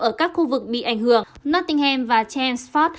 ở các khu vực bị ảnh hưởng nottingham và jamesford